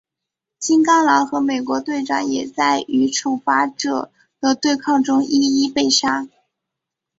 金刚狼和美国队长也在与惩罚者的对抗中一一被杀。